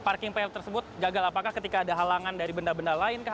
parking pay tersebut gagal apakah ketika ada halangan dari benda benda lain kah